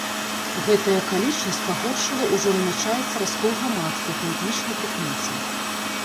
Гэтая акалічнасць пагоршыла ўжо намячаецца раскол грамадства па этнічнай прыкмеце.